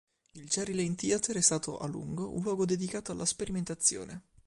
Il Cherry Lane Theatre è stato a lungo una luogo dedicato alla sperimentazione.